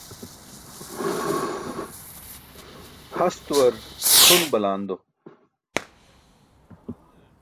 Hastuwar kʰon balando.